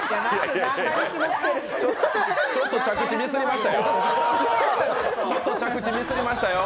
ちょっと着地ミスりましたよ。